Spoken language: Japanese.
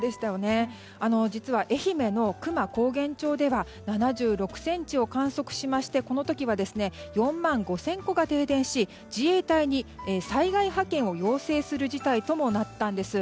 実は愛媛の久万高原町では７６ｃｍを観測しましてこの時は４万５０００戸が停電し自衛隊に災害派遣を要請する事態にもなったんです。